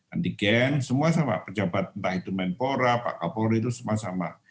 antigen semua sama pejabat entah itu menpora pak kapolri itu semua sama